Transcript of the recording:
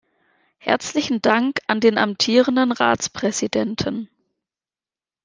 Herzlichen Dank an den amtierenden Ratspräsidenten!